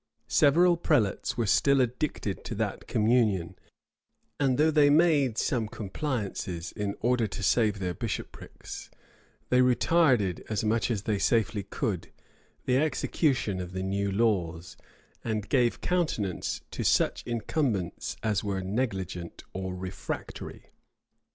Several prelates were still addicted to that communion; and though they made some compliances, in order to save their bishoprics, they retarded, as much as they safely could, the execution of the new laws, and gave countenance to such incumbents as were negligent or refractory.